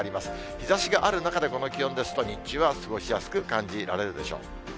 日ざしがある中でこの気温ですと、日中は過ごしやすく感じられるでしょう。